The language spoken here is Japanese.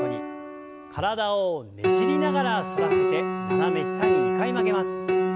体をねじりながら反らせて斜め下に２回曲げます。